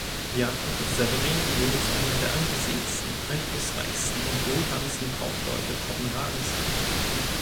Jacob Severin wurde zu einem der angesehensten, einflussreichsten und wohlhabendsten Kaufleute Kopenhagens.